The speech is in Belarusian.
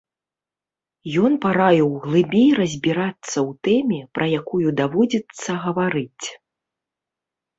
Ён параіў глыбей разбірацца ў тэме, пра якую даводзіцца гаварыць.